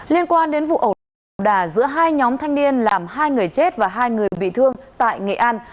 liên quan đến vụ ẩu đả giữa hai nhóm thanh niên làm hai người chết và hai người bị thương tại nghệ an